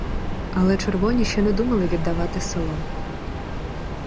Але червоні ще не думали віддавати село.